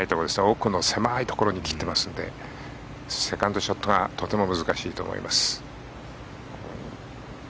奥の狭いところに切ってますのでセカンドショットがとても難しいと思います。